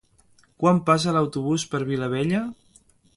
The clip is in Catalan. Quan passa l'autobús per Vilabella?